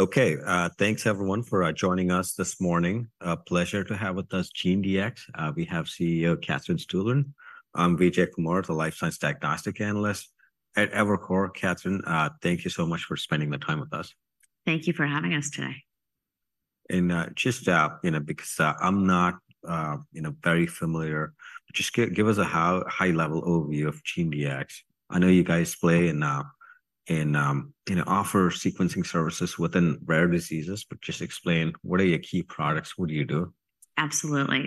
Okay, thanks everyone for joining us this morning. A pleasure to have with us GeneDx. We have CEO, Katherine Stueland. I'm Vijay Kumar, the life science diagnostic analyst at Evercore. Katherine, thank you so much for spending the time with us. Thank you for having us today. Just, you know, because I'm not, you know, very familiar, just give us a high-level overview of GeneDx. I know you guys play in, you know, offer sequencing services within rare diseases, but just explain what are your key products, what do you do? Absolutely.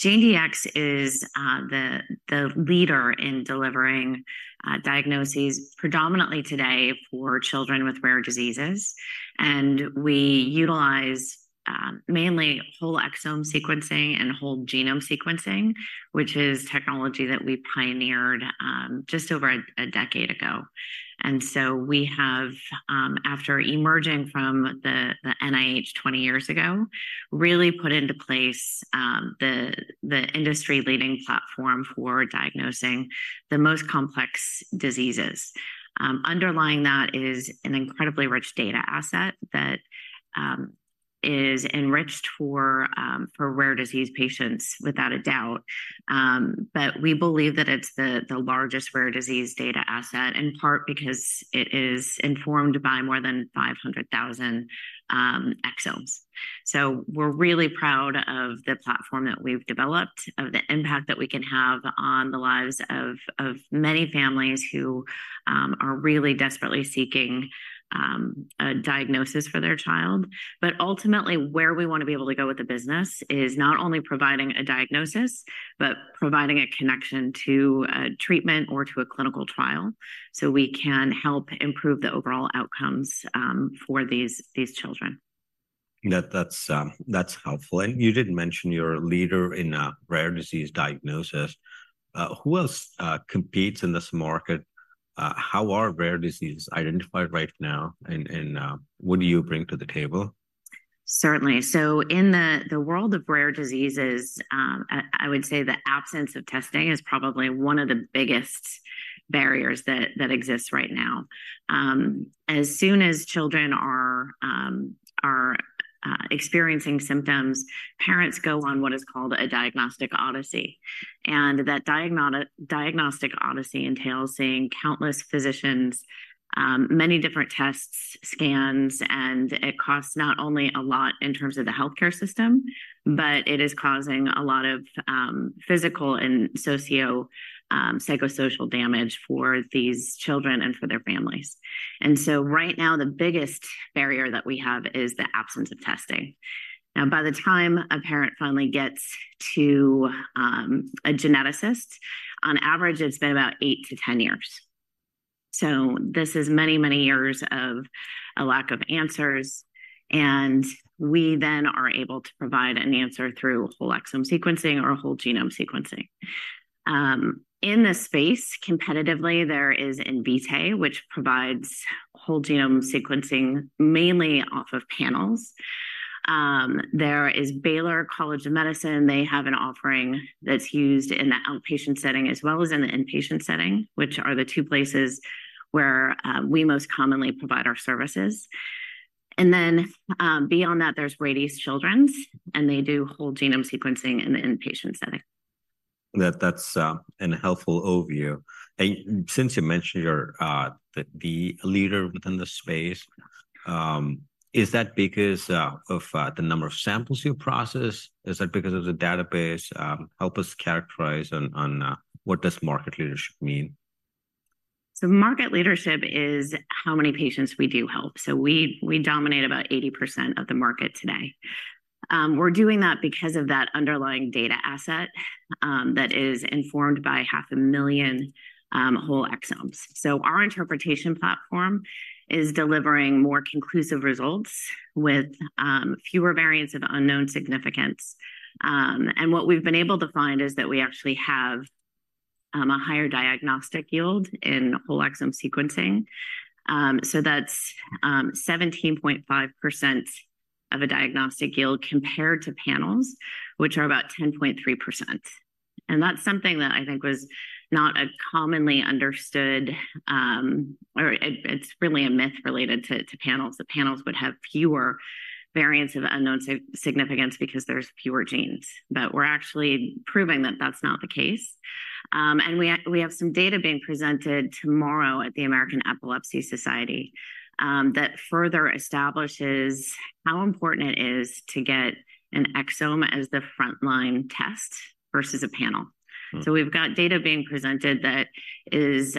GeneDx is the leader in delivering diagnoses predominantly today for children with rare diseases. We utilize mainly whole exome sequencing and whole genome sequencing, which is technology that we pioneered just over a decade ago. So we have, after emerging from the NIH 20 years ago, really put into place the industry-leading platform for diagnosing the most complex diseases. Underlying that is an incredibly rich data asset that is enriched for rare disease patients, without a doubt. But we believe that it's the largest rare disease data asset, in part because it is informed by more than 500,000 exomes. So we're really proud of the platform that we've developed, of the impact that we can have on the lives of, of many families who are really desperately seeking a diagnosis for their child. But ultimately, where we want to be able to go with the business is not only providing a diagnosis, but providing a connection to a treatment or to a clinical trial, so we can help improve the overall outcomes for these children. That's helpful. And you did mention you're a leader in rare disease diagnosis. Who else competes in this market? How are rare diseases identified right now, and what do you bring to the table? Certainly. In the world of rare diseases, I would say the absence of testing is probably one of the biggest barriers that exists right now. As soon as children are experiencing symptoms, parents go on what is called a diagnostic odyssey, and that diagnostic odyssey entails seeing countless physicians, many different tests, scans, and it costs not only a lot in terms of the healthcare system, but it is causing a lot of physical and psychosocial damage for these children and for their families. So right now, the biggest barrier that we have is the absence of testing. Now, by the time a parent finally gets to a geneticist, on average, it's been about 8-10 years. So this is many, many years of a lack of answers, and we then are able to provide an answer through whole exome sequencing or whole genome sequencing. In this space, competitively, there is Invitae, which provides whole genome sequencing, mainly off of panels. There is Baylor College of Medicine. They have an offering that's used in the outpatient setting as well as in the inpatient setting, which are the two places where we most commonly provide our services. And then, beyond that, there's Rady Children's, and they do whole genome sequencing in the inpatient setting. That's a helpful overview. And since you mentioned you're the leader within the space, is that because of the number of samples you process? Is that because of the database? Help us characterize what market leadership means? So market leadership is how many patients we do help. So we dominate about 80% of the market today. We're doing that because of that underlying data asset that is informed by 500,000 whole exomes. So our interpretation platform is delivering more conclusive results with fewer variants of unknown significance. And what we've been able to find is that we actually have a higher diagnostic yield in whole exome sequencing. So that's 17.5% diagnostic yield compared to panels, which are about 10.3%. And that's something that I think was not a commonly understood, or it's really a myth related to panels. The panels would have fewer variants of unknown significance because there's fewer genes, but we're actually proving that that's not the case. And we have some data being presented tomorrow at the American Epilepsy Society that further establishes how important it is to get an exome as the frontline test versus a panel. Mm-hmm. So we've got data being presented that is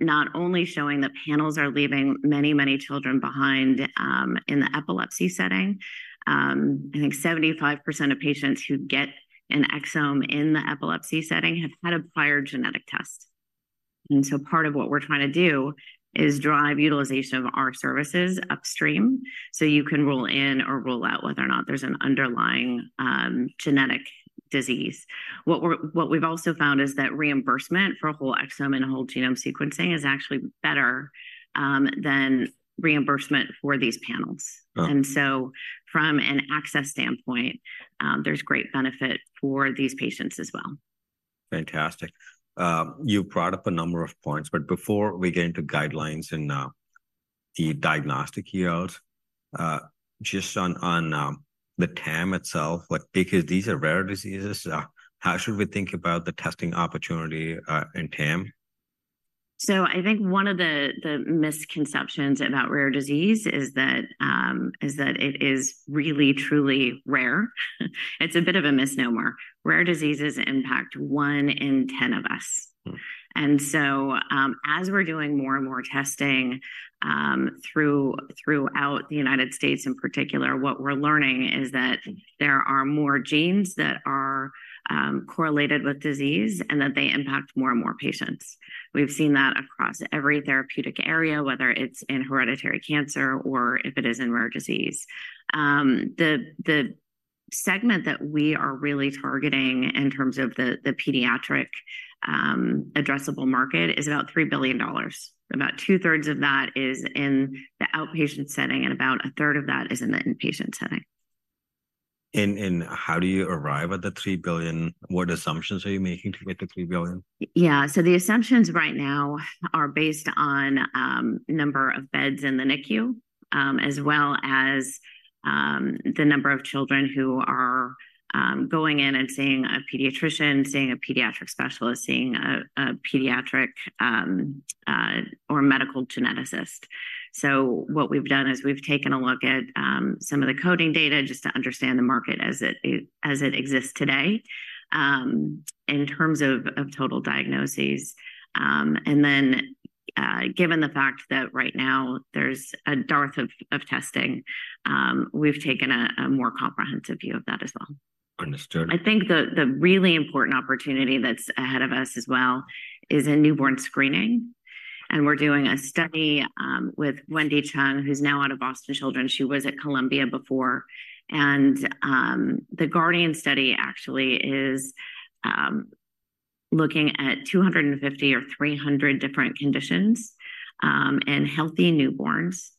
not only showing that panels are leaving many, many children behind in the epilepsy setting. I think 75% of patients who get an exome in the epilepsy setting have had a prior genetic test, and so part of what we're trying to do is drive utilization of our services upstream, so you can rule in or rule out whether or not there's an underlying genetic disease. What we've also found is that reimbursement for whole exome and whole genome sequencing is actually better than reimbursement for these panels. Mm. From an access standpoint, there's great benefit for these patients as well.... Fantastic. You've brought up a number of points, but before we get into guidelines and the diagnostic yields, just on the TAM itself, like because these are rare diseases, how should we think about the testing opportunity in TAM? So I think one of the misconceptions about rare disease is that it is really, truly rare. It's a bit of a misnomer. Rare diseases impact one in ten of us. Mm. So, as we're doing more and more testing, throughout the United States, in particular, what we're learning is that there are more genes that are correlated with disease, and that they impact more and more patients. We've seen that across every therapeutic area, whether it's in hereditary cancer or if it is in rare disease. The segment that we are really targeting in terms of the pediatric addressable market is about $3 billion. About two-thirds of that is in the outpatient setting, and about a third of that is in the inpatient setting. How do you arrive at the $3 billion? What assumptions are you making to get the $3 billion? Yeah. So the assumptions right now are based on number of beds in the NICU, as well as the number of children who are going in and seeing a pediatrician, seeing a pediatric specialist, seeing a pediatric or medical geneticist. So what we've done is we've taken a look at some of the coding data just to understand the market as it exists today, in terms of total diagnoses. And then, given the fact that right now there's a dearth of testing, we've taken a more comprehensive view of that as well. Understood. I think the really important opportunity that's ahead of us as well is in newborn screening, and we're doing a study with Wendy Chung, who's now out of Boston Children's. She was at Columbia before. The GUARDIAN study actually is looking at 250 or 300 different conditions in healthy newborns.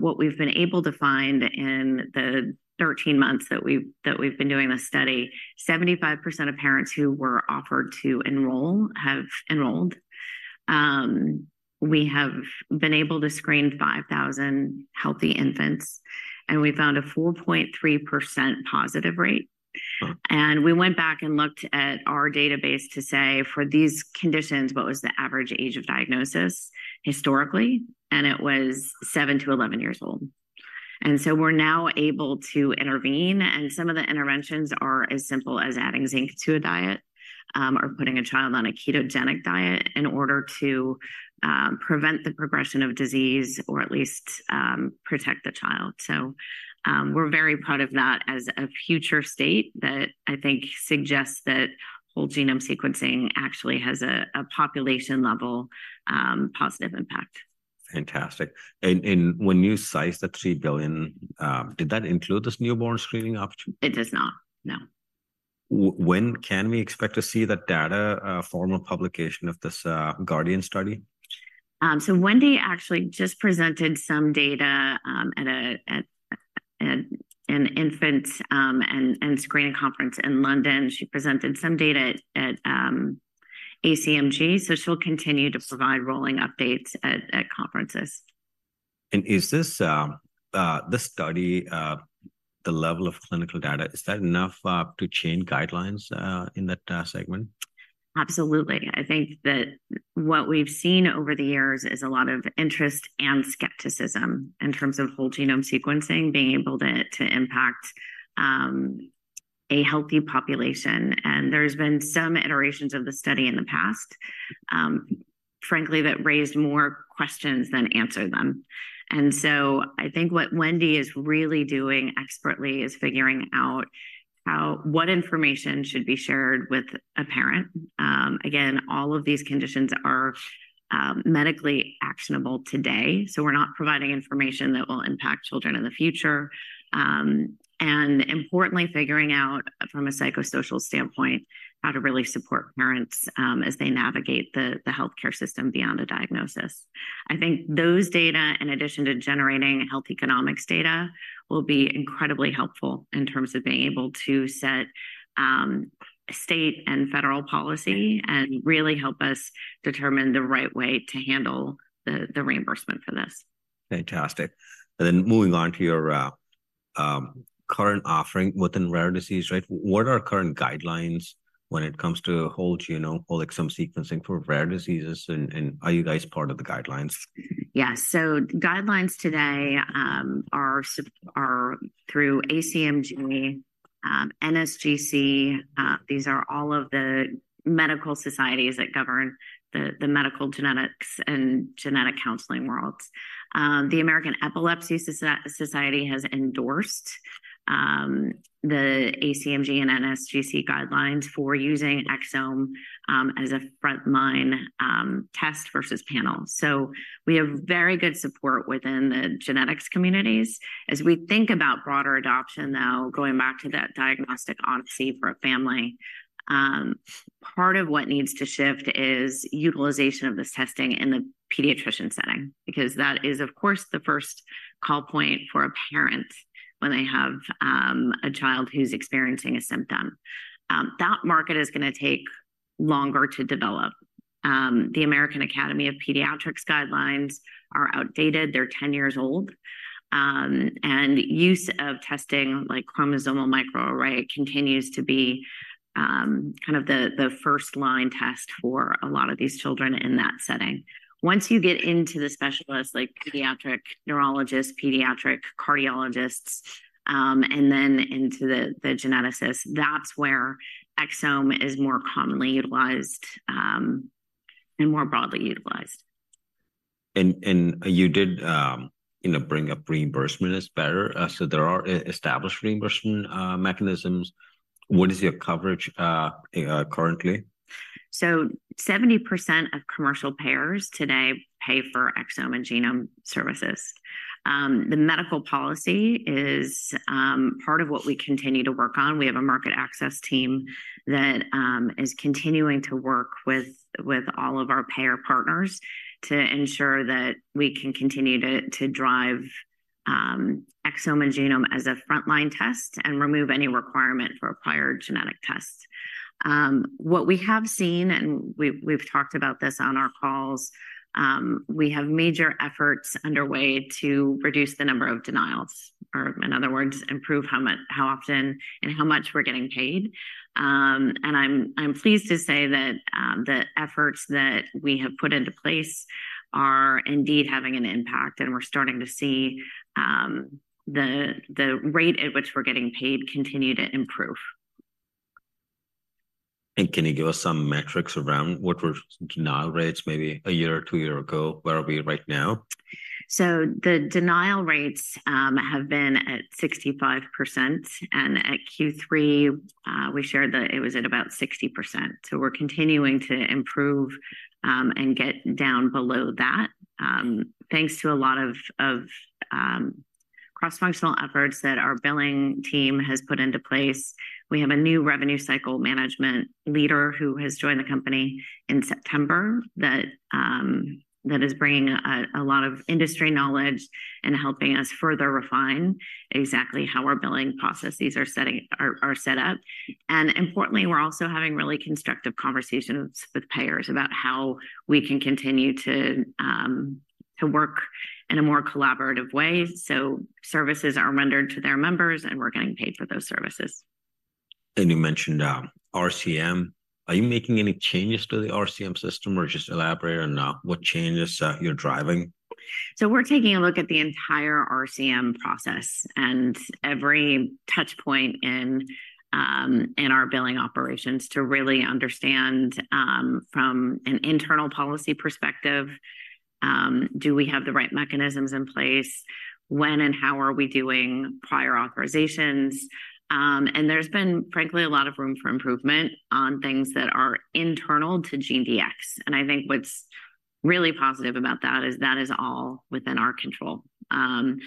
What we've been able to find in the 13 months that we've been doing this study, 75% of parents who were offered to enroll have enrolled. We have been able to screen 5,000 healthy infants, and we found a 4.3% positive rate. Wow. We went back and looked at our database to say, for these conditions, what was the average age of diagnosis historically? It was 7-11 years old. So we're now able to intervene, and some of the interventions are as simple as adding zinc to a diet, or putting a child on a ketogenic diet in order to prevent the progression of disease or at least protect the child. So, we're very proud of that as a future state that I think suggests that whole genome sequencing actually has a population-level positive impact. Fantastic. And when you cite the $3 billion, did that include this newborn screening option? It does not, no. When can we expect to see the data, formal publication of this, GUARDIAN study? So Wendy actually just presented some data at an infant screening conference in London. She presented some data at ACMG, so she'll continue to provide rolling updates at conferences. Is this study, the level of clinical data, is that enough to change guidelines in that segment? Absolutely. I think that what we've seen over the years is a lot of interest and skepticism in terms of whole genome sequencing being able to impact a healthy population, and there's been some iterations of the study in the past, frankly, that raised more questions than answered them. So I think what Wendy is really doing expertly is figuring out how what information should be shared with a parent. Again, all of these conditions are medically actionable today, so we're not providing information that will impact children in the future. And importantly, figuring out, from a psychosocial standpoint, how to really support parents as they navigate the healthcare system beyond a diagnosis. I think those data, in addition to generating health economics data, will be incredibly helpful in terms of being able to set, state and federal policy and really help us determine the right way to handle the reimbursement for this. Fantastic. And then moving on to your current offering within rare disease, right? What are current guidelines when it comes to whole genome or exome sequencing for rare diseases, and are you guys part of the guidelines? Yeah. So guidelines today are through ACMG, NSGC. These are all of the medical societies that govern the medical genetics and genetic counseling worlds. The American Epilepsy Society has endorsed the ACMG and NSGC guidelines for using exome as a frontline test versus panel. So we have very good support within the genetics communities. As we think about broader adoption, though, going back to that diagnostic odyssey for a family, part of what needs to shift is utilization of this testing in the pediatrician setting, because that is, of course, the first call point for a parent when they have a child who's experiencing a symptom. That market is gonna take longer to develop. The American Academy of Pediatrics guidelines are outdated. They're 10 years old. Use of testing, like chromosomal microarray, continues to be kind of the first line test for a lot of these children in that setting. Once you get into the specialists, like pediatric neurologists, pediatric cardiologists, and then into the geneticists, that's where exome is more commonly utilized, and more broadly utilized. And you did, you know, bring up reimbursement is better. So there are established reimbursement mechanisms. What is your coverage currently? So 70% of commercial payers today pay for exome and genome services. The medical policy is part of what we continue to work on. We have a market access team that is continuing to work with all of our payer partners to ensure that we can continue to drive exome and genome as a frontline test and remove any requirement for prior genetic tests. What we have seen, and we've talked about this on our calls, we have major efforts underway to reduce the number of denials, or in other words, improve how much, how often and how much we're getting paid. And I'm pleased to say that the efforts that we have put into place are indeed having an impact, and we're starting to see the rate at which we're getting paid continue to improve. Can you give us some metrics around what were denial rates maybe a year or two year ago? Where are we right now? So the denial rates have been at 65%, and at Q3, we shared that it was at about 60%. So we're continuing to improve and get down below that, thanks to a lot of cross-functional efforts that our billing team has put into place. We have a new revenue cycle management leader who has joined the company in September that is bringing a lot of industry knowledge and helping us further refine exactly how our billing processes are set up. And importantly, we're also having really constructive conversations with payers about how we can continue to work in a more collaborative way, so services are rendered to their members, and we're getting paid for those services. You mentioned RCM. Are you making any changes to the RCM system, or just elaborate on what changes you're driving? So we're taking a look at the entire RCM process and every touch point in, in our billing operations to really understand, from an internal policy perspective, do we have the right mechanisms in place? When and how are we doing prior authorizations? And there's been, frankly, a lot of room for improvement on things that are internal to GeneDx. And I think what's really positive about that is, that is all within our control. And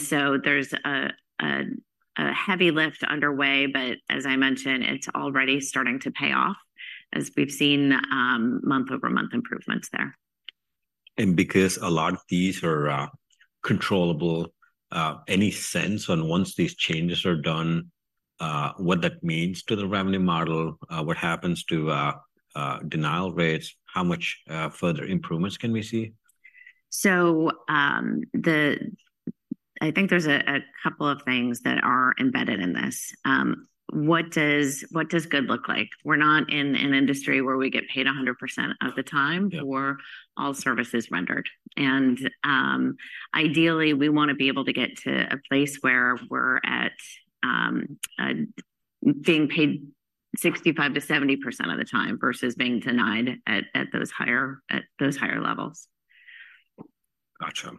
so there's a heavy lift underway, but as I mentioned, it's already starting to pay off as we've seen, month-over-month improvements there. And because a lot of these are controllable, any sense on once these changes are done, what that means to the revenue model? What happens to denial rates? How much further improvements can we see? So, I think there's a couple of things that are embedded in this. What does good look like? We're not in an industry where we get paid 100% of the time- Yeah... for all services rendered. And ideally, we wanna be able to get to a place where we're at being paid 65%-70% of the time versus being denied at those higher levels. Gotcha.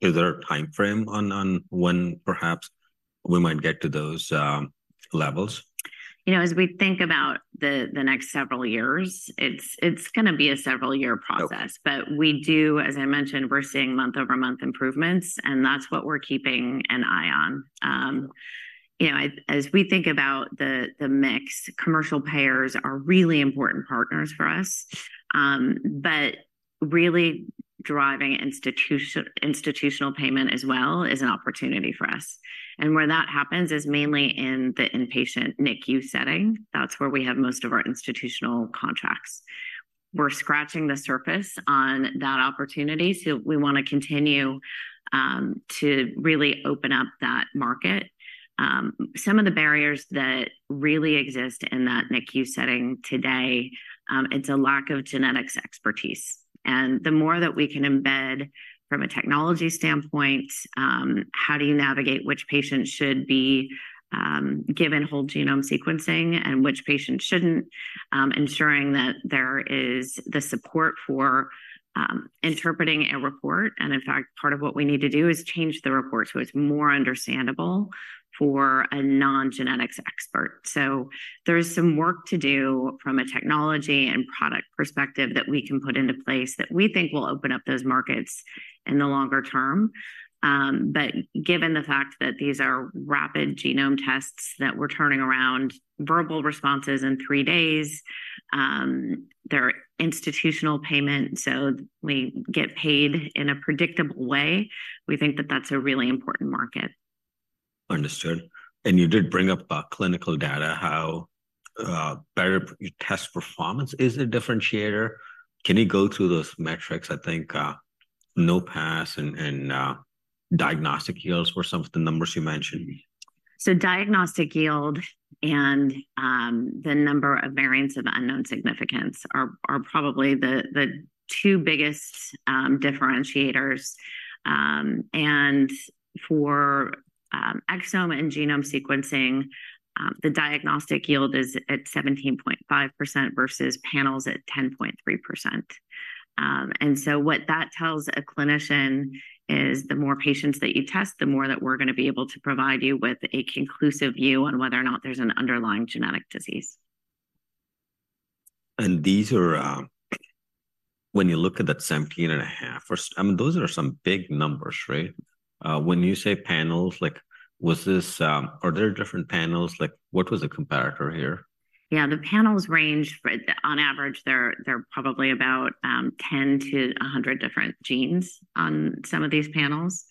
Is there a timeframe on when perhaps we might get to those levels? You know, as we think about the next several years, it's gonna be a several year process. Okay. As I mentioned, we're seeing month-over-month improvements, and that's what we're keeping an eye on. You know, as we think about the mix, commercial payers are really important partners for us. But really driving institutional payment as well is an opportunity for us, and where that happens is mainly in the inpatient NICU setting. That's where we have most of our institutional contracts. We're scratching the surface on that opportunity, so we wanna continue to really open up that market. Some of the barriers that really exist in that NICU setting today, it's a lack of genetics expertise, and the more that we can embed from a technology standpoint, how do you navigate which patient should be given whole-genome sequencing and which patient shouldn't? Ensuring that there is the support for interpreting a report, and in fact, part of what we need to do is change the report so it's more understandable for a non-genetics expert. So there is some work to do from a technology and product perspective that we can put into place that we think will open up those markets in the longer term. But given the fact that these are rapid genome tests, that we're turning around verbal responses in 3 days, their institutional payment, so we get paid in a predictable way. We think that that's a really important market. Understood. And you did bring up clinical data, how better test performance is a differentiator. Can you go through those metrics? I think no pass and diagnostic yields were some of the numbers you mentioned. So diagnostic yield and the number of Variants of Unknown Significance are probably the two biggest differentiators. And for exome and genome sequencing, the diagnostic yield is at 17.5% versus panels at 10.3%. And so what that tells a clinician is the more patients that you test, the more that we're gonna be able to provide you with a conclusive view on whether or not there's an underlying genetic disease. These are. When you look at that 17.5, first, I mean, those are some big numbers, right? When you say panels, like, was this, are there different panels? Like, what was the comparator here? Yeah, the panels range from—on average, they're probably about 10 to 100 different genes on some of these panels.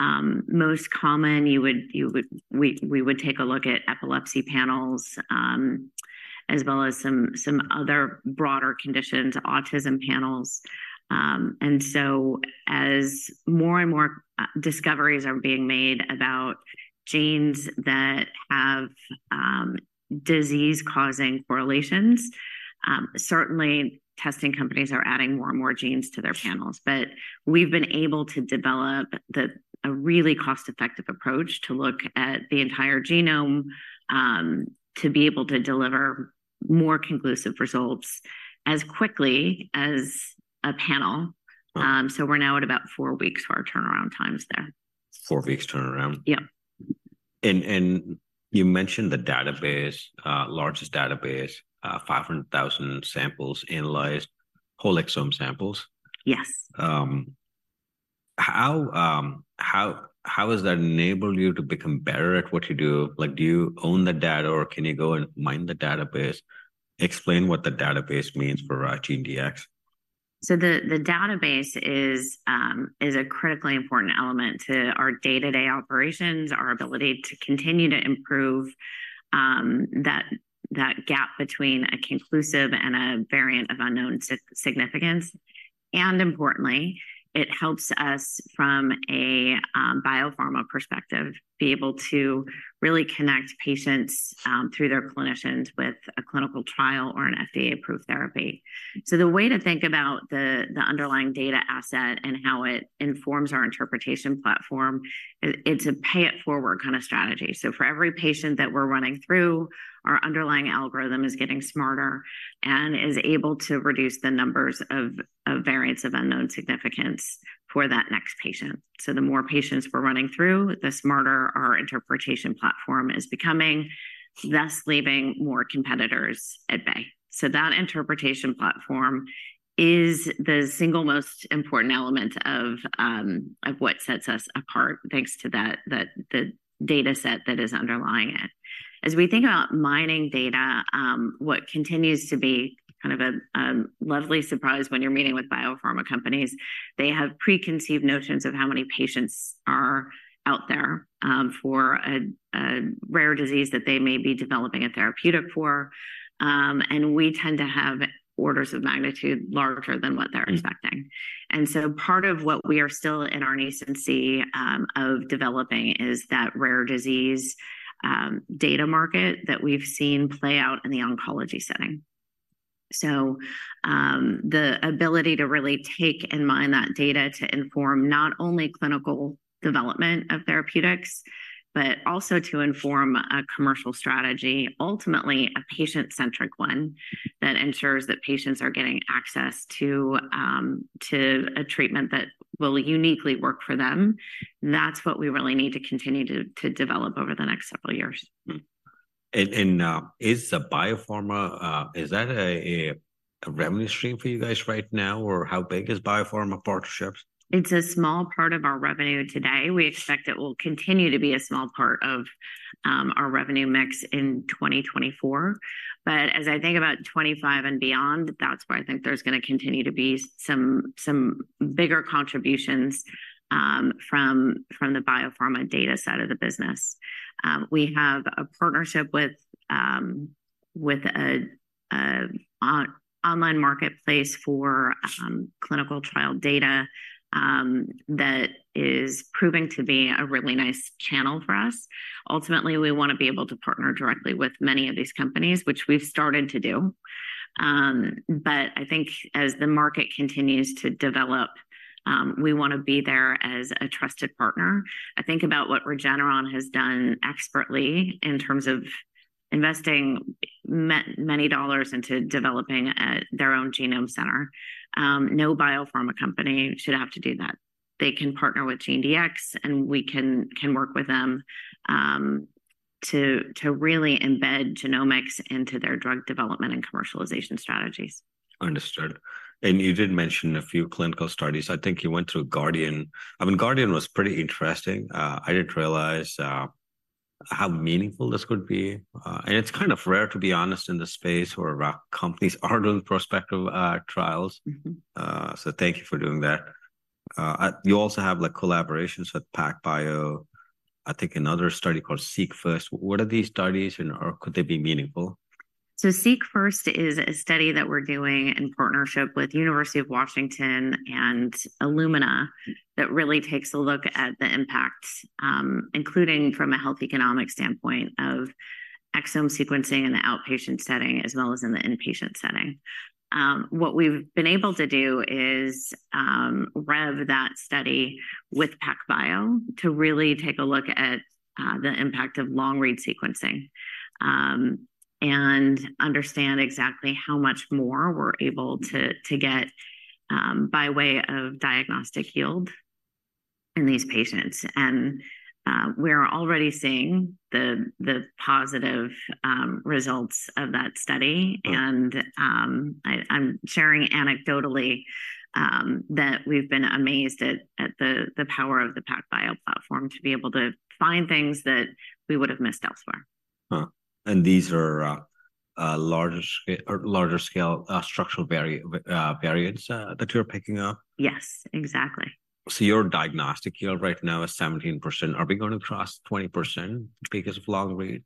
Most common, you would—we would take a look at epilepsy panels, as well as some other broader conditions, autism panels. And so as more and more discoveries are being made about genes that have disease-causing correlations, certainly testing companies are adding more and more genes to their panels. But we've been able to develop a really cost-effective approach to look at the entire genome, to be able to deliver more conclusive results as quickly as a panel. Wow. So we're now at about four weeks for our turnaround times there. Four weeks turnaround? Yeah. You mentioned the database, largest database, 500,000 samples analyzed, whole exome samples. Yes. How has that enabled you to become better at what you do? Like, do you own the data, or can you go and mine the database? Explain what the database means for GeneDx. So the database is a critically important element to our day-to-day operations, our ability to continue to improve that gap between a conclusive and a variant of unknown significance. And importantly, it helps us from a biopharma perspective, be able to really connect patients through their clinicians with a clinical trial or an FDA-approved therapy. So the way to think about the underlying data asset and how it informs our interpretation platform, it's a pay-it-forward kind of strategy. So for every patient that we're running through, our underlying algorithm is getting smarter and is able to reduce the numbers of variants of unknown significance for that next patient. So the more patients we're running through, the smarter our interpretation platform is becoming, thus leaving more competitors at bay. So that interpretation platform is the single most important element of what sets us apart, thanks to that, the data set that is underlying it. As we think about mining data, what continues to be kind of a lovely surprise when you're meeting with biopharma companies, they have preconceived notions of how many patients are out there, for a rare disease that they may be developing a therapeutic for. And we tend to have orders of magnitude larger than what they're- Mm... expecting. And so part of what we are still in our nascency of developing is that rare disease data market that we've seen play out in the oncology setting. So, the ability to really take and mine that data to inform not only clinical development of therapeutics, but also to inform a commercial strategy, ultimately a patient-centric one, that ensures that patients are getting access to, to a treatment that will uniquely work for them, that's what we really need to continue to, to develop over the next several years. Is the biopharma a revenue stream for you guys right now, or how big is biopharma partnerships? It's a small part of our revenue today. We expect it will continue to be a small part of our revenue mix in 2024. But as I think about 25 and beyond, that's where I think there's gonna continue to be some bigger contributions from the biopharma data side of the business. We have a partnership with an online marketplace for clinical trial data that is proving to be a really nice channel for us. Ultimately, we wanna be able to partner directly with many of these companies, which we've started to do. But I think as the market continues to develop, we wanna be there as a trusted partner. I think about what Regeneron has done expertly in terms of investing many dollars into developing their own genome center. No biopharma company should have to do that. They can partner with GeneDx, and we can work with them to really embed genomics into their drug development and commercialization strategies. Understood. You did mention a few clinical studies. I think you went through Guardian. I mean, Guardian was pretty interesting. I didn't realize how meaningful this could be. It's kind of rare, to be honest, in this space where companies are doing prospective trials. Mm-hmm. So thank you for doing that. You also have, like, collaborations with PacBio, I think another study called SeqFirst. What are these studies, and could they be meaningful? So SeqFirst is a study that we're doing in partnership with University of Washington and Illumina, that really takes a look at the impact, including from a health economic standpoint, of exome sequencing in the outpatient setting, as well as in the inpatient setting. What we've been able to do is run that study with PacBio to really take a look at the impact of long-read sequencing and understand exactly how much more we're able to get by way of diagnostic yield in these patients. We're already seeing the positive results of that study. Wow. And, I'm sharing anecdotally that we've been amazed at the power of the PacBio platform to be able to find things that we would have missed elsewhere. And these are larger scale structural variants that you're picking up? Yes, exactly. Your diagnostic yield right now is 17%. Are we going to cross 20% because of long-read?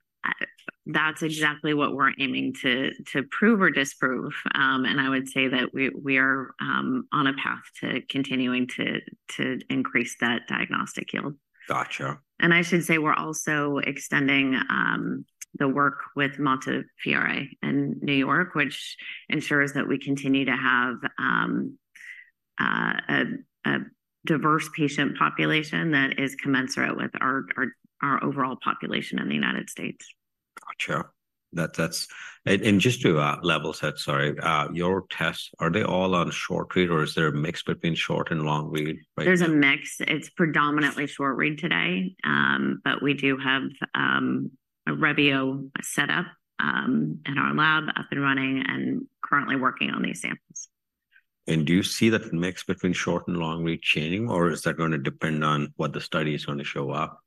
That's exactly what we're aiming to prove or disprove. I would say that we are on a path to continuing to increase that diagnostic yield. Gotcha. I should say we're also extending the work with Montefiore in New York, which ensures that we continue to have a diverse patient population that is commensurate with our overall population in the United States. Gotcha. That, that's... And just to level set, sorry, your tests, are they all on short-read, or is there a mix between short and long-read, right? There's a mix. It's predominantly short-read today. But we do have a Revio set up in our lab, up and running and currently working on these samples. Do you see that mix between short- and long-read changing, or is that going to depend on what the study is going to show up?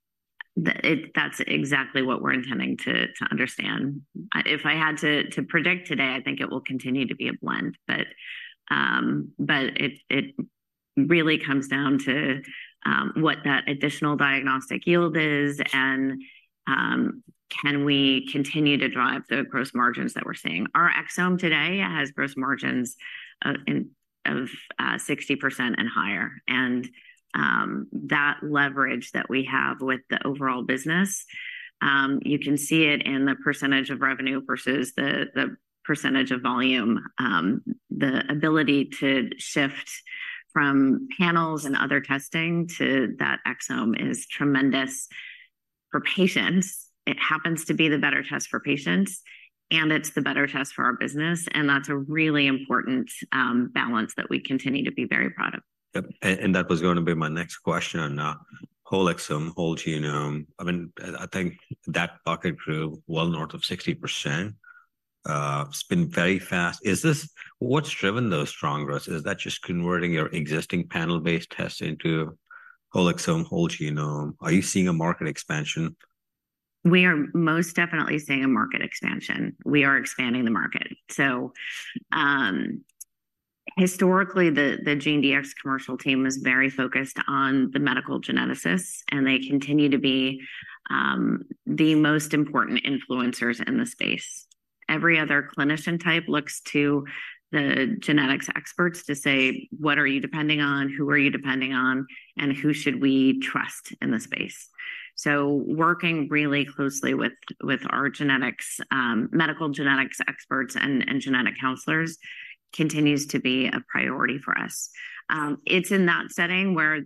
That's exactly what we're intending to understand. If I had to predict today, I think it will continue to be a blend, but but it really comes down to what that additional diagnostic yield is and can we continue to drive the gross margins that we're seeing? Our exome today has gross margins of 60% and higher. And that leverage that we have with the overall business, you can see it in the percentage of revenue versus the the percentage of volume. The ability to shift from panels and other testing to that exome is tremendous for patients. It happens to be the better test for patients, and it's the better test for our business, and that's a really important balance that we continue to be very proud of. Yep. That was gonna be my next question on whole exome, whole genome. I mean, I think that bucket grew well north of 60%. It's been very fast. Is this what's driven those strong growth? Is that just converting your existing panel-based test into whole exome, whole genome? Are you seeing a market expansion? We are most definitely seeing a market expansion. We are expanding the market. So, historically, the GeneDx commercial team was very focused on the medical geneticists, and they continue to be the most important influencers in the space. Every other clinician type looks to the genetics experts to say, "What are you depending on? Who are you depending on, and who should we trust in the space?" So working really closely with our genetics medical genetics experts and genetic counselors continues to be a priority for us. It's in that setting where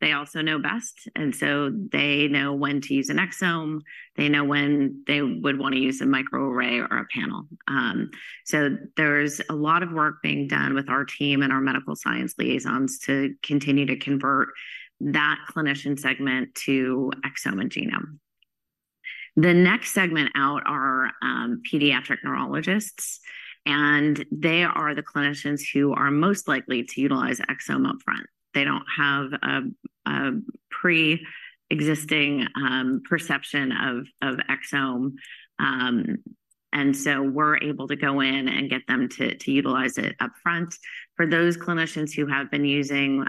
they also know best, and so they know when to use an exome, they know when they would want to use a microarray or a panel. So there's a lot of work being done with our team and our medical science liaisons to continue to convert that clinician segment to exome and genome. The next segment out are pediatric neurologists, and they are the clinicians who are most likely to utilize exome upfront. They don't have a preexisting perception of exome, and so we're able to go in and get them to utilize it upfront. For those clinicians who have been using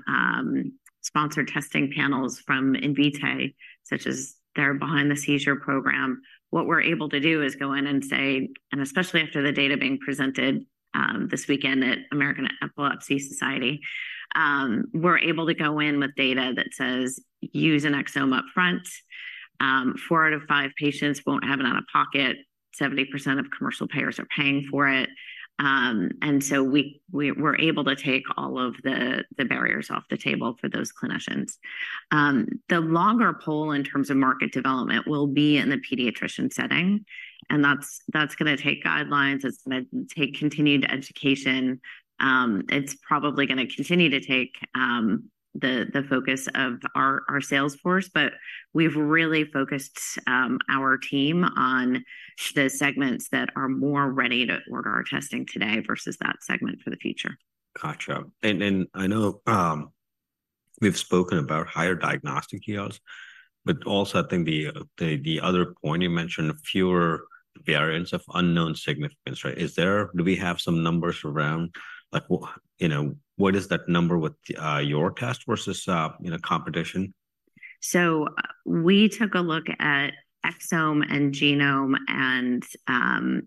sponsored testing panels from Invitae, such as their Behind the Seizure program, what we're able to do is go in and say... and especially after the data being presented this weekend at American Epilepsy Society, we're able to go in with data that says, "Use an exome upfront. Four out of five patients won't have it out of pocket. 70% of commercial payers are paying for it." And so we're able to take all of the barriers off the table for those clinicians. The longer pull in terms of market development will be in the pediatrician setting, and that's gonna take guidelines, it's gonna take continued education. It's probably gonna continue to take the focus of our sales force, but we've really focused our team on the segments that are more ready to order our testing today versus that segment for the future. Gotcha. And then, I know, we've spoken about higher diagnostic yields, but also, I think the other point you mentioned, fewer variants of unknown significance, right? Do we have some numbers around, like, you know, what is that number with your test versus, you know, competition? We took a look at exome and genome and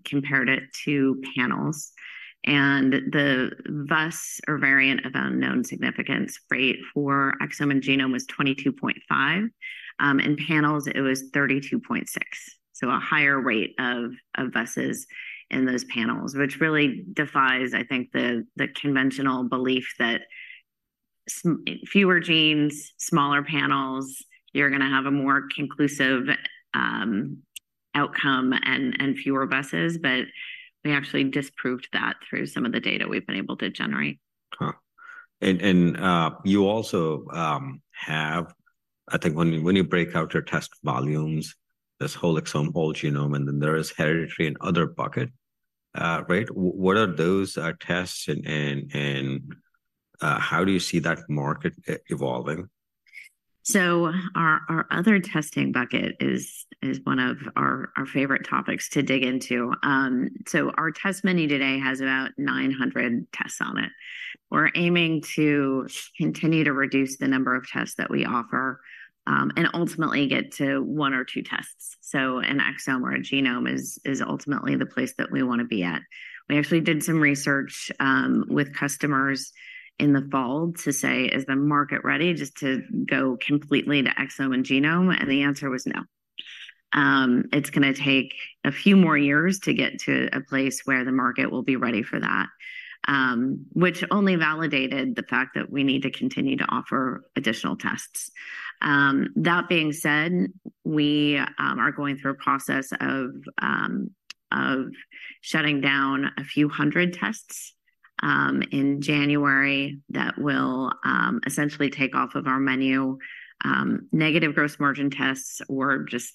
compared it to panels. The VUS, or variant of unknown significance, rate for exome and genome was 22.5. In panels, it was 32.6. A higher rate of VUSs in those panels, which really defies, I think, the conventional belief that fewer genes, smaller panels, you're gonna have a more conclusive outcome and fewer VUSs. But we actually disproved that through some of the data we've been able to generate. Huh. And you also have—I think when you break out your test volumes, there's whole exome, whole genome, and then there is hereditary and other bucket, right? What are those tests, and how do you see that market evolving? So our other testing bucket is one of our favorite topics to dig into. So our test menu today has about 900 tests on it. We're aiming to continue to reduce the number of tests that we offer, and ultimately get to one or two tests. So an exome or a genome is ultimately the place that we want to be at. We actually did some research with customers in the fall to say: Is the market ready just to go completely to exome and genome? And the answer was no. It's gonna take a few more years to get to a place where the market will be ready for that, which only validated the fact that we need to continue to offer additional tests. That being said, we are going through a process of shutting down a few hundred tests in January that will essentially take off of our menu negative gross margin tests or just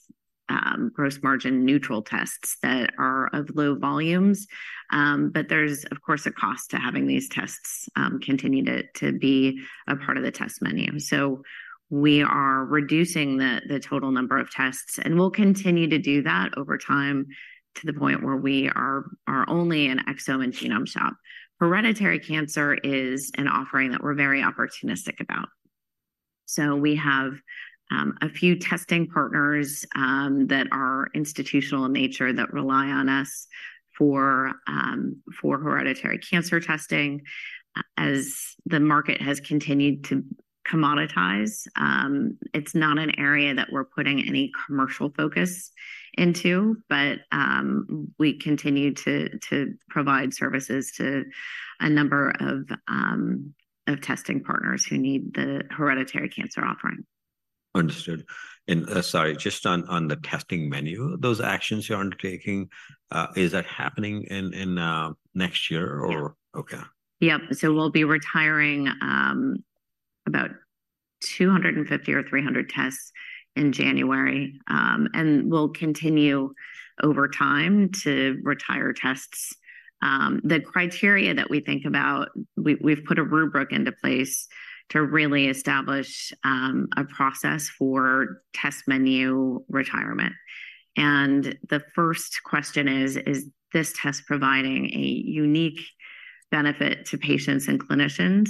gross margin neutral tests that are of low volumes. But there's, of course, a cost to having these tests continue to be a part of the test menu. So we are reducing the total number of tests, and we'll continue to do that over time, to the point where we are only an exome and genome shop. Hereditary cancer is an offering that we're very opportunistic about. So we have a few testing partners that are institutional in nature that rely on us for hereditary cancer testing. As the market has continued to commoditize, it's not an area that we're putting any commercial focus into, but we continue to provide services to a number of testing partners who need the hereditary cancer offering. Understood. And, sorry, just on the testing menu, those actions you're undertaking, is that happening in next year or- Yeah. Okay. Yep. So we'll be retiring about 250 or 300 tests in January. And we'll continue over time to retire tests. The criteria that we think about, we've put a rubric into place to really establish a process for test menu retirement. And the first question is: Is this test providing a unique benefit to patients and clinicians?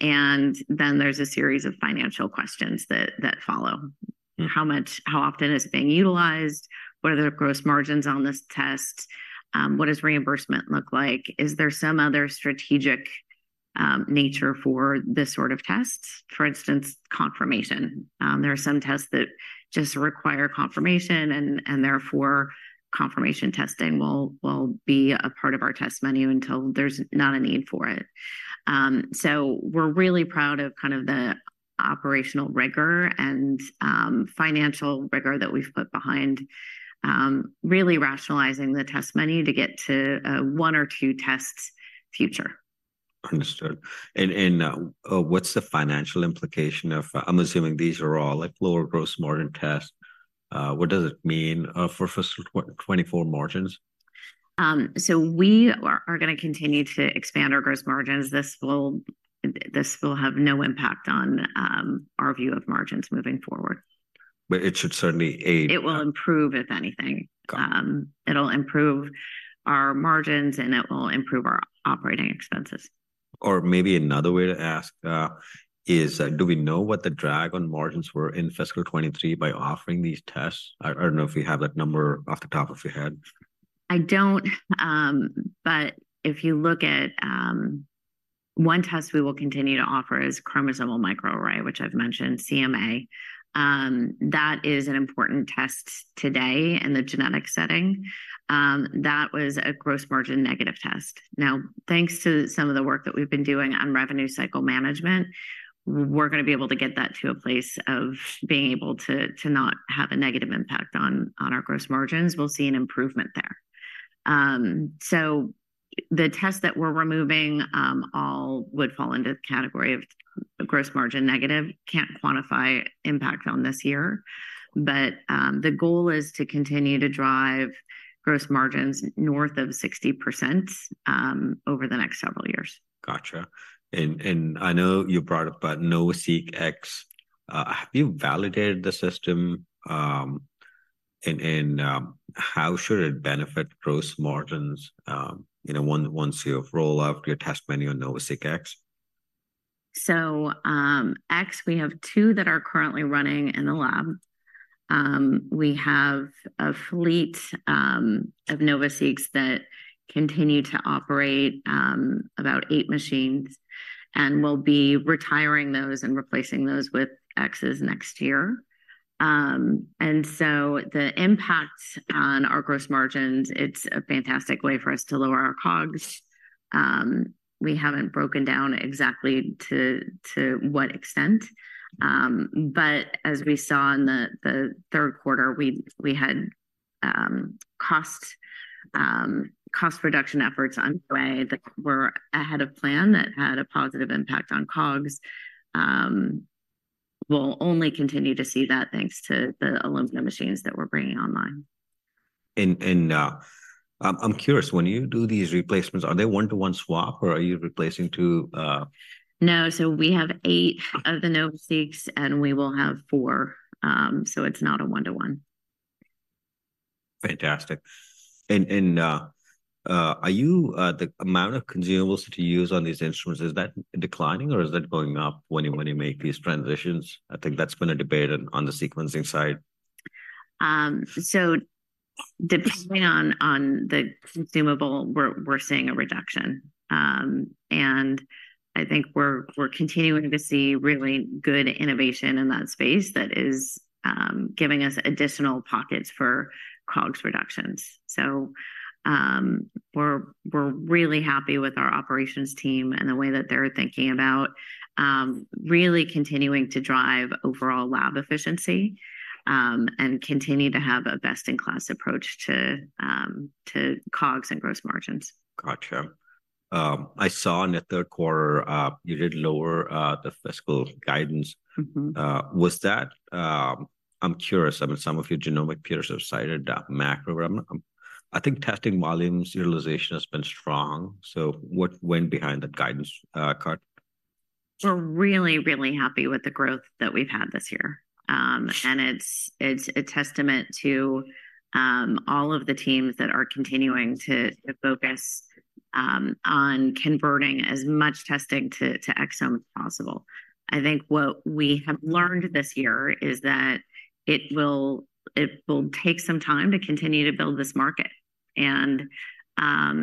And then there's a series of financial questions that follow. Mm-hmm. How often is it being utilized? What are the gross margins on this test? What does reimbursement look like? Is there some other strategic nature for this sort of tests? For instance, confirmation. There are some tests that just require confirmation, and therefore, confirmation testing will be a part of our test menu until there's not a need for it. So we're really proud of kind of the operational rigor and financial rigor that we've put behind really rationalizing the test menu to get to a one or two tests future. Understood. What's the financial implication of... I'm assuming these are all, like, lower gross margin tests. What does it mean for fiscal 2024 margins? So we are gonna continue to expand our gross margins. This will have no impact on our view of margins moving forward. But it should certainly aid- It will improve, if anything. Got it. It'll improve our margins, and it will improve our operating expenses. Or maybe another way to ask, is, do we know what the drag on margins were in fiscal 2023 by offering these tests? I, I don't know if you have that number off the top of your head. I don't. But if you look at one test we will continue to offer is chromosomal microarray, which I've mentioned, CMA. That is an important test today in the genetic setting. That was a gross margin negative test. Now, thanks to some of the work that we've been doing on revenue cycle management, we're gonna be able to get that to a place of being able to not have a negative impact on our gross margins. We'll see an improvement there. So the tests that we're removing all would fall into the category of gross margin negative. Can't quantify impact on this year, but the goal is to continue to drive gross margins north of 60% over the next several years. Gotcha. And I know you brought up about NovaSeq X. Have you validated the system, and how should it benefit gross margins, you know, once you have rolled out your test menu on NovaSeq X? So, X, we have two that are currently running in the lab. We have a fleet of NovaSeqs that continue to operate about eight machines, and we'll be retiring those and replacing those with X's next year. And so the impact on our gross margins, it's a fantastic way for us to lower our COGS. We haven't broken down exactly to what extent, but as we saw in the third quarter, we had cost reduction efforts underway that were ahead of plan that had a positive impact on COGS. We'll only continue to see that, thanks to the Illumina machines that we're bringing online. I'm curious, when you do these replacements, are they one-to-one swap, or are you replacing two? No. We have 8 of the NovaSeqs, and we will have 4. It's not a one-to-one. Fantastic. And, are you, the amount of consumables to use on these instruments, is that declining, or is that going up when you, when you make these transitions? I think that's been a debate on the sequencing side. Depending on the consumable, we're seeing a reduction. I think we're continuing to see really good innovation in that space that is giving us additional pockets for COGS reductions. We're really happy with our operations team and the way that they're thinking about really continuing to drive overall lab efficiency, and continue to have a best-in-class approach to COGS and gross margins. Gotcha. I saw in the third quarter, you did lower the fiscal guidance. Mm-hmm. Was that, I'm curious, I mean, some of your genomic peers have cited the macro, I think testing volumes utilization has been strong, so what went behind that guidance cut? We're really, really happy with the growth that we've had this year. It's a testament to all of the teams that are continuing to focus on converting as much testing to exome as possible. I think what we have learned this year is that it will take some time to continue to build this market.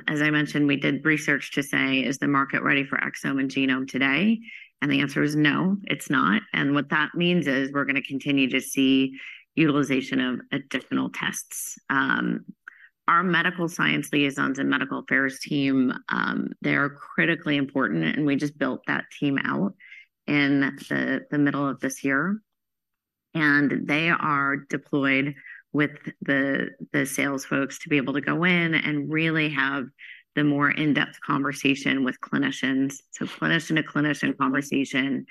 As I mentioned, we did research to say: Is the market ready for exome and genome today? The answer is no, it's not. What that means is, we're gonna continue to see utilization of additional tests. Our medical science liaisons and medical affairs team, they are critically important, and we just built that team out in the middle of this year. They are deployed with the sales folks to be able to go in and really have the more in-depth conversation with clinicians. So clinician-to-clinician conversation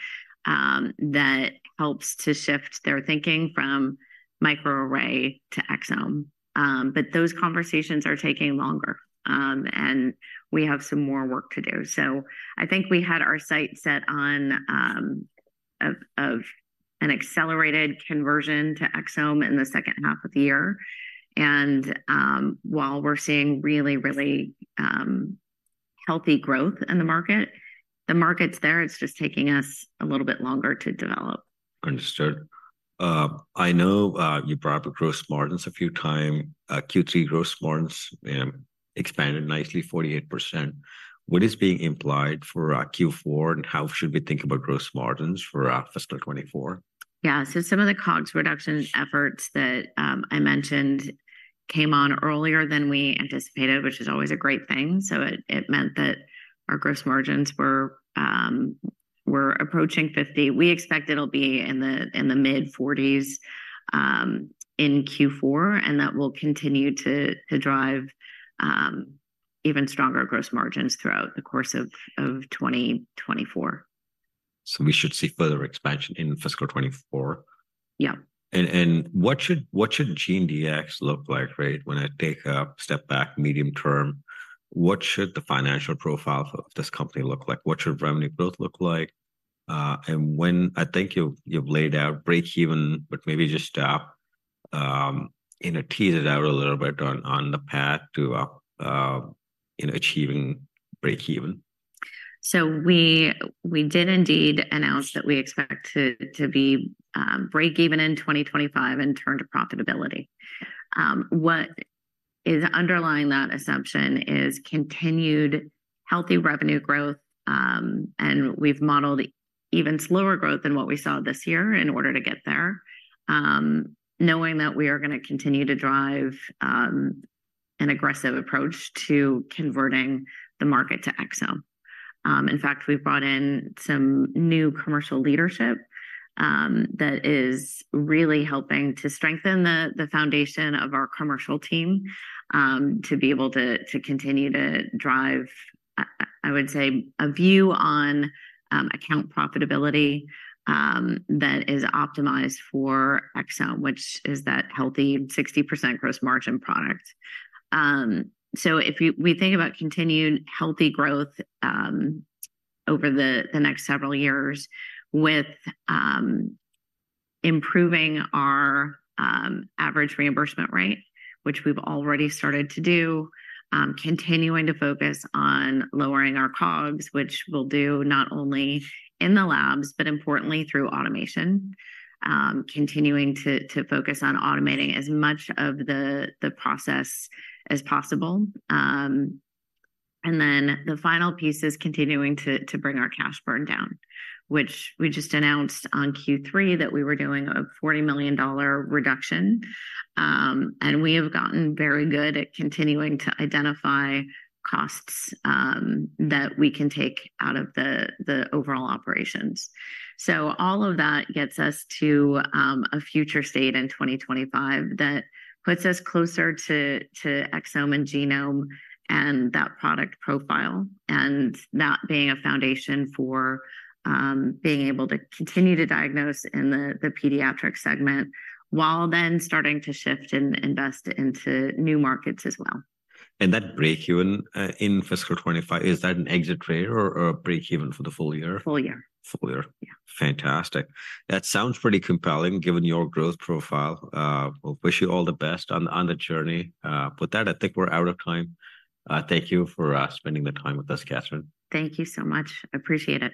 that helps to shift their thinking from microarray to exome. But those conversations are taking longer, and we have some more work to do. So I think we had our sight set on an accelerated conversion to exome in the second half of the year. And while we're seeing really, really healthy growth in the market, the market's there, it's just taking us a little bit longer to develop. Understood. I know you brought up gross margins a few times. Q3 gross margins expanded nicely, 48%. What is being implied for Q4, and how should we think about gross margins for fiscal 2024? Yeah. So some of the COGS reduction efforts that I mentioned came on earlier than we anticipated, which is always a great thing, so it meant that our gross margins were approaching 50%. We expect it'll be in the mid-40s% in Q4, and that will continue to drive even stronger gross margins throughout the course of 2024. We should see further expansion in fiscal 2024? Yeah. What should GeneDx look like, right? When I take a step back, medium term, what should the financial profile of this company look like? What should revenue growth look like? I think you've laid out breakeven, but maybe just, you know, tease it out a little bit on the path to, you know, achieving breakeven. So we did indeed announce that we expect to be breakeven in 2025 and turn to profitability. What is underlying that assumption is continued healthy revenue growth, and we've modeled even slower growth than what we saw this year in order to get there. Knowing that we are gonna continue to drive an aggressive approach to converting the market to exome. In fact, we've brought in some new commercial leadership that is really helping to strengthen the foundation of our commercial team to be able to continue to drive, I would say, a view on account profitability that is optimized for exome, which is that healthy 60% gross margin product. So, if we think about continued healthy growth over the next several years with improving our average reimbursement rate, which we've already started to do, continuing to focus on lowering our COGS, which we'll do not only in the labs, but importantly through automation. Continuing to focus on automating as much of the process as possible. And then the final piece is continuing to bring our cash burn down, which we just announced on Q3 that we were doing a $40 million reduction. And we have gotten very good at continuing to identify costs that we can take out of the overall operations. All of that gets us to a future state in 2025 that puts us closer to exome and genome and that product profile, and that being a foundation for being able to continue to diagnose in the pediatric segment, while then starting to shift and invest into new markets as well. That breakeven in fiscal 2025, is that an exit rate or a breakeven for the full year? Full year. Full year. Yeah. Fantastic. That sounds pretty compelling, given your growth profile. We'll wish you all the best on the journey. With that, I think we're out of time. Thank you for spending the time with us, Katherine. Thank you so much. Appreciate it.